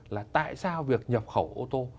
là tại sao việc nhập khẩu ô tô